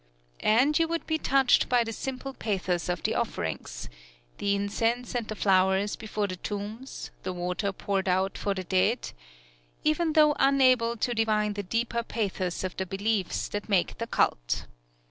And you would be touched by the simple pathos of the offerings, the incense and the flowers before the tombs, the water poured out for the dead, even though unable to divine the deeper pathos of the beliefs that make the cult.